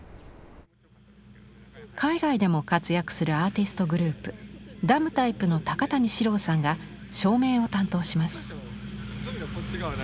海外でも活躍するアーティストグループダムタイプの高谷史郎さんが照明を担当します。